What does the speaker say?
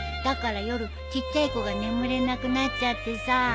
だから夜ちっちゃい子が眠れなくなっちゃってさ。